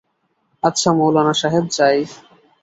আচ্ছা মৌলানা সাহেব, যাই।